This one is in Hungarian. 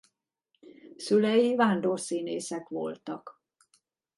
Szülei vándorszínészek voltak.